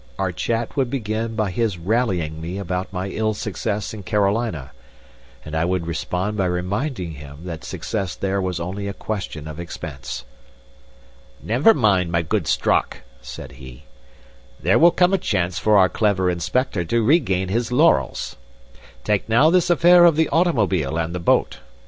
Our chat would begin by his rallying me about my ill success in Carolina, and I would respond by reminding him that success there was only a question of expense. "Never mind, my good Strock," said he, "there will come a chance for our clever inspector to regain his laurels. Take now this affair of the automobile and the boat.